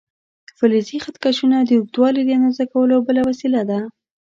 فلزي خط کشونه د اوږدوالي د اندازه کولو بله وسیله ده.